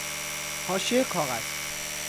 حاشیه کاغذ